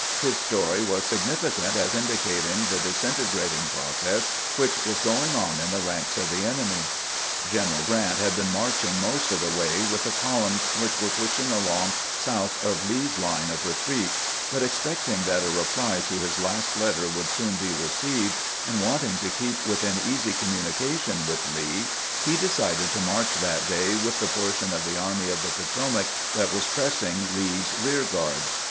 His story was significant as indicating the dis integrating process which was going on in the ranks of the enemy. General Grant had been marching most of the way with the columns which were pushing along south of Lee's line of retreat ; but, expecting that a reply to his 462 CAMPAIGNING WITH GRANT last letter would soon be received, and wanting to keep within easy communication with Lee, he decided to march this day with the portion of the Army of the Potomac that was pressing Lee's rear guard.